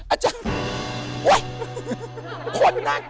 อาจารย์